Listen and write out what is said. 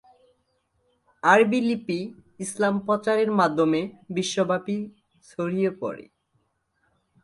আরবী লিপি ইসলাম প্রচারের মাধ্যমে বিশ্বব্যাপি ছড়িয়ে পড়ে।